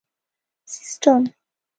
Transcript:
سیسټم